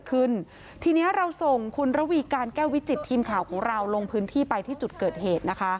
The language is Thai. ทีเนี้ยเราส่งคุณระวีการแก้ววิจิตทีมข่าวของเราลงพื้นที่ไปที่จุดเกิดเหตุนะคะ